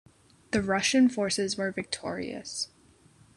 The Russian forces were victorious.